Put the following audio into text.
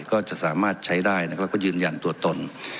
ก็จะสามารถใช้ได้นะครับก็ยืนยันตัวตน